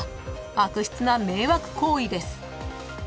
［悪質な迷惑行為です］